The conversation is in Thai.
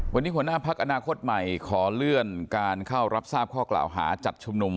วันนี้หัวหน้าพักอนาคตใหม่ขอเลื่อนการเข้ารับทราบข้อกล่าวหาจัดชุมนุม